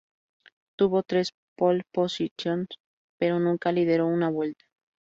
Tuvo tres "pole position"s, pero nunca lideró una vuelta.